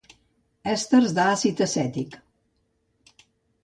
Èsters de l'àcid acètic.